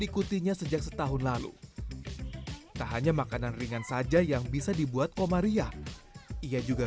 ikutinya sejak setahun lalu tak hanya makanan ringan saja yang bisa dibuat komariah ia juga